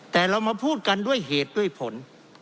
แต่เรามาพูดกันด้วยเหตุด้วยผล